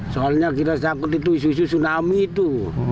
soalnya kita sangkut itu isu isu tsunami itu